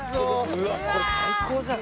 うわこれ最高じゃん。